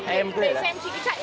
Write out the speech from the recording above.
em cứ để xem chị có chạy